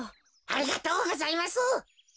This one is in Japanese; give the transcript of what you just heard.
ありがとうございます。